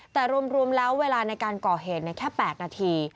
แต่รวมแล้วเวลาในการก่อเหตุแค่๘นาที